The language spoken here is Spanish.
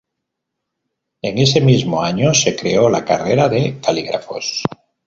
En ese mismo año se creó la Carrera de Calígrafos.